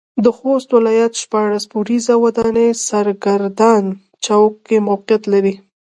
د خوست ولايت شپاړس پوړيزه وداني سرګردان چوک کې موقعيت لري.